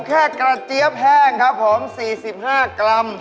แค่กระเจ๊บแรงครับ๔๕กรัม